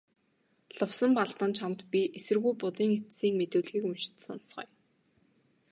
Лувсанбалдан чамд би эсэргүү Будын эцсийн мэдүүлгийг уншиж сонсгоё.